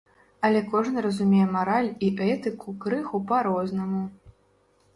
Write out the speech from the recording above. Але кожны разумее мараль і этыку крыху па-рознаму.